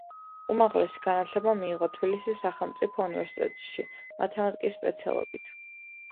უმაღლესი განათლება მიიღო თბილისის სახელმწიფო უნივერსიტეტში მათემატიკის სპეციალობით.